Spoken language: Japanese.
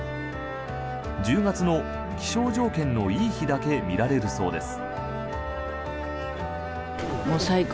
１０月の気象条件のいい日だけ見られるそうです。